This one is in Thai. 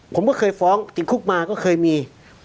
ผมก็เคยฟ้องติดคุกมาก็เคยมี